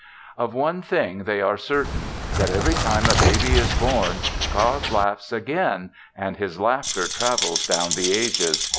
Of one thing they are certain: that every time a baby is born God laughs again and His laughter travels down the ages.